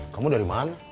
kamu dari mana